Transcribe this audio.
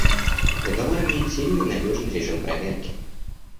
Договор имеет сильный и надежный режим проверки.